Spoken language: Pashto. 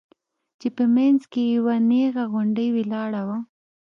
چې په منځ کښې يې يوه نيغه غونډۍ ولاړه وه.